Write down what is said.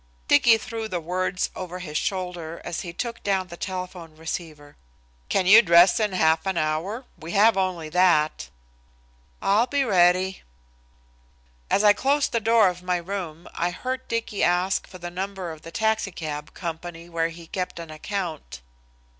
Dicky threw the words over his shoulder as he took down the telephone receiver. "Can you dress in half an hour? We have only that." "I'll be ready." As I closed the door of my room I heard Dicky ask for the number of the taxicab company where he kept an account.